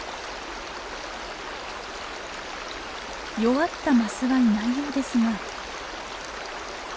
弱ったマスはいないようですが。